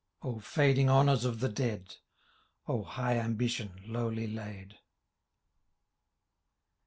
O fiaiding honours of the dead 1 O high ambition« lowly laid !